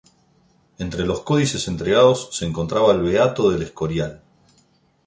Entre los códices entregados se encontraba el Beato de El Escorial.